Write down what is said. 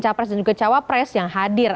capres dan juga cawapres yang hadir